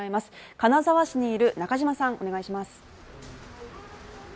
金沢市にいる中島さん、お願いします。